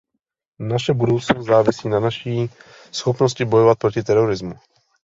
Naše budoucnost závisí na naší schopnosti bojovat proti terorismu.